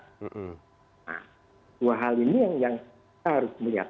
nah dua hal ini yang kita harus melihat